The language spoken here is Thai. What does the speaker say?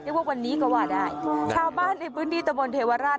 ว่าวันนี้ก็ว่าได้ชาวบ้านในพื้นที่ตะบนเทวราช